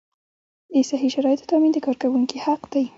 د صحي شرایطو تامین د کارکوونکي حق دی.